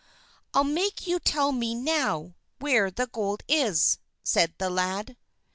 "I'll make you tell me now where the gold is!" said the lad.